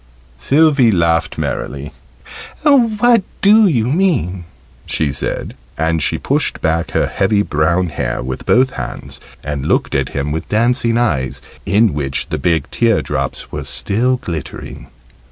Sylvie laughed merrily. "What do you mean?" she said. And she pushed back her heavy brown hair with both hands, and looked at him with dancing eyes in which the big teardrops were still glittering.